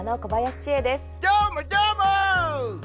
どーも、どーも！